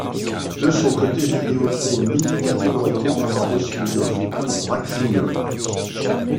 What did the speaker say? De son côté, Vidéotron nie catégoriquement avoir reçu une offre pour Vrak Junior.